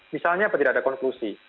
misalnya apa tidak ada konklusi